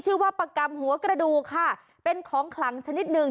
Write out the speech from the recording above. ประกำหัวกระดูกค่ะเป็นของขลังชนิดหนึ่ง